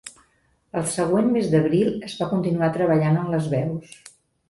El següent mes d'abril es va continuar treballant en les veus.